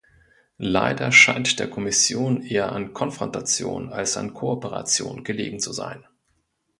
Leider scheint der Kommission eher an Konfrontation als an Kooperation gelegen zu sein.